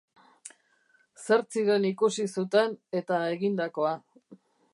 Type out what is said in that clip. Zer ziren ikusi zuten, eta egindakoa.